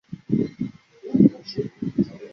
氨基甲酸乙酯是高分子材料聚氨酯的原料之一。